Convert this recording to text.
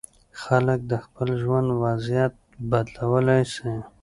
خلک د خپل ژوند وضعیت بدلولی سي.